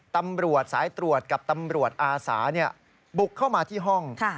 ตำรวจสายตรวจกับตำรวจอาสาบุกเข้ามาที่ห้อง